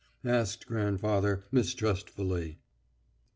asked grandfather mistrustfully.